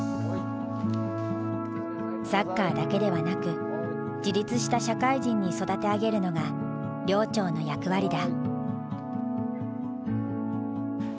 サッカーだけではなく自立した社会人に育て上げるのが寮長の役割だ。